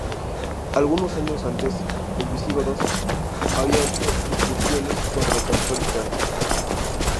Algunos años antes, los visigodos había hecho incursiones contra los territorios francos.